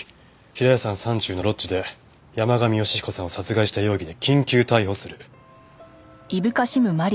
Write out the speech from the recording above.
平矢山山中のロッジで山神芳彦さんを殺害した容疑で緊急逮捕する。